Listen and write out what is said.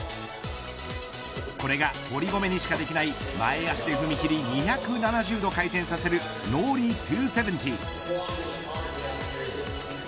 これが、堀米にしかできない前足で踏み切り２７０度回転させるノーリー２７０。